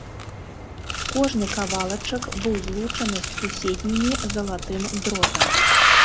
Кожны кавалачак быў злучаны з суседнімі залатым дротам.